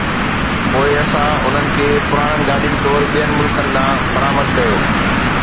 پوءِ اسان انهن کي پراڻن گاڏين طور ٻين ملڪن ڏانهن برآمد ڪيو